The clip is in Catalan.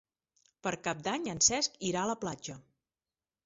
Per Cap d'Any en Cesc irà a la platja.